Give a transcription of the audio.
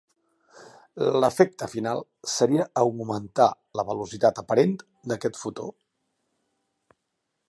L'efecte final seria augmentar la velocitat aparent d'aquest fotó.